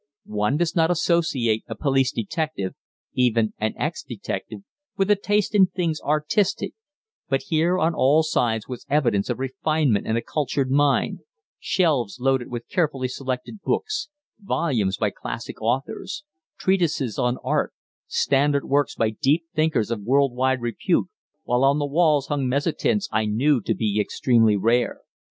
One does not associate a police detective, even an ex detective, with a taste in things artistic, but here on all sides was evidence of refinement and a cultured mind shelves loaded with carefully selected books, volumes by classic authors; treatises on art; standard works by deep thinkers of world wide repute, while on the walls hung mezzotints I knew to be extremely rare.